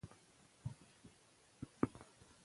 پښتانه ځان د وطن لپاره قرباني کوي.